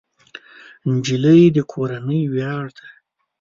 نجلۍ د کورنۍ ویاړ ده.